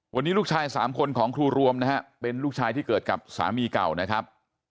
วันนี้ลูกชายสามคนของครูรวมนะฮะเป็นลูกชายที่เกิดกับสามีเก่านะครับ